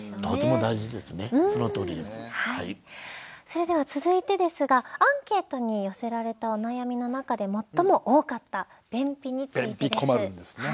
それでは続いてですがアンケートに寄せられたお悩みの中で最も多かった便秘についてです。便秘困るんですよね。